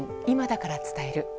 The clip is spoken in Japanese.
今だから伝える」。